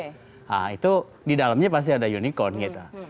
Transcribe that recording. nah itu di dalamnya pasti ada unicorn gitu